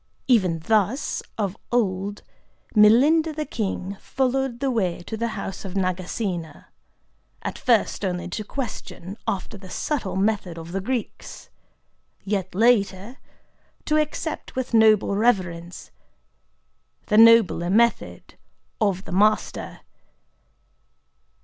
Even thus, of old, Milinda the king followed the way to the house of Nagasena,—at first only to question, after the subtle method of the Greeks; yet, later, to accept with noble reverence the nobler method of the Master.